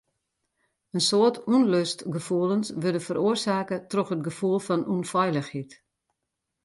In soad ûnlustgefoelens wurde feroarsake troch it gefoel fan ûnfeilichheid.